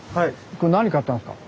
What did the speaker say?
これ何買ったんですか？